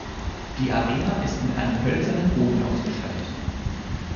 Die Arena ist mit einem hölzernen Boden ausgestattet.